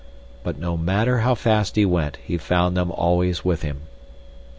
But no matter how fast he went he found them always with him.